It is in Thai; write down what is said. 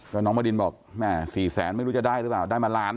ก็น้องบดินบอกแม่๔แสนไม่รู้จะได้หรือเปล่าได้มาล้าน